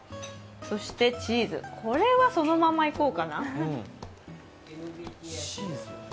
そしてチーズ、これはそのままいこうかな。